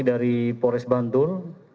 dari polres bantul